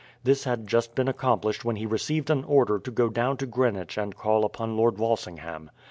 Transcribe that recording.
This had just been accomplished when he received an order to go down to Greenwich and call upon Lord Walsingham.